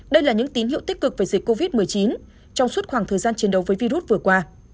đây là những tín hiệu tích cực về dịch covid một mươi chín trong suốt khoảng thời gian chiến đấu với virus vừa qua